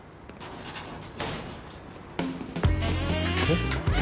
えっ？